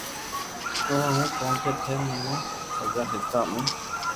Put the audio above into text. آوہ ھون ڪونڪھ ٿي مني سچا ھردا مون